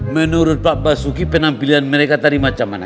menurut pak basuki penampilan mereka tadi macam mana